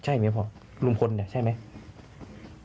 ใช่ไหมพ่อลุงพลเนี่ยใช่ไหม